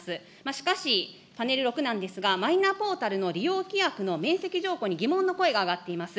しかし、パネル６なんですが、マイナポータルの利用規約の免責条項に疑問の声が上がっています。